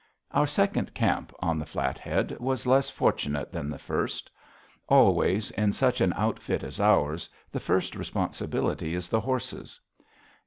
Our second camp on the Flathead was less fortunate than the first. Always, in such an outfit as ours, the first responsibility is the horses.